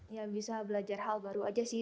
ya bisa belajar hal baru aja sih